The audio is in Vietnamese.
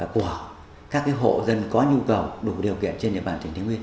của các hộ dân có nhu cầu đủ điều kiện trên địa bàn